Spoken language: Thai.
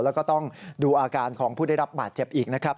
แล้วก็ต้องดูอาการของผู้ได้รับบาดเจ็บอีกนะครับ